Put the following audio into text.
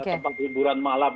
seperti hiburan malam